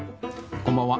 こんばんは。